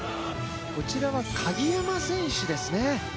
こちらは鍵山選手ですね。